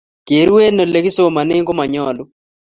Keru eng ole kisomane komanyalu